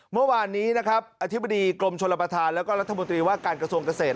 เมื่อวานนี้นะครับอธิบดีกรมชลประธานแล้วก็รัฐมนตรีว่าการกระทรวงเกษตร